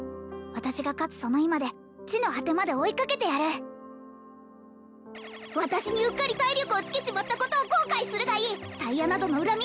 私が勝つその日まで地の果てまで追いかけてやる私にうっかり体力をつけちまったことを後悔するがいいタイヤなどの恨み